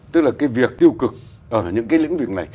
tức là cái việc tiêu cực ở những cái lĩnh vực này